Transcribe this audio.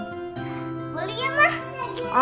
boleh ya ma